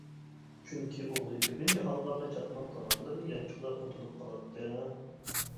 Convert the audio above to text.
چۈنكى ئوغلى كۆپىنچە ھاللاردا چاقماق، تاماكىلىرىنى يانچۇقىدا ئۇنتۇلۇپ قالاتتى.